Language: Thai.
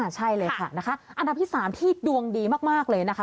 ใช่เลยค่ะนะคะอันดับที่๓ที่ดวงดีมากเลยนะคะ